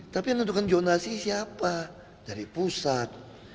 tapi yang menetapkan jondasi siapa dari pusat